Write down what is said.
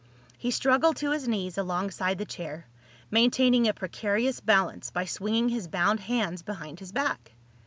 He struggled to his knees alongside the chair, maintaining a precarious balance by swinging his bound hands behind his back.